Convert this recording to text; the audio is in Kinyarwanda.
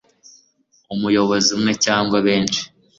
umuyobozi umwe cyangwa benshi